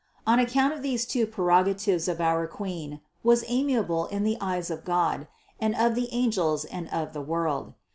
On account of these two prerogatives our Queen was amiable in the eyes of God, and of the angels, and of the world.